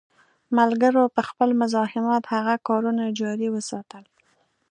ملګرو په خپل مزاحمت هغه کارونه جاري وساتل.